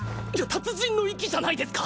達人の域じゃないですか！